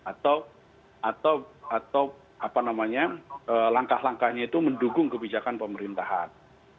atau langkah langkahnya itu mendukung kebijakan pemerintahan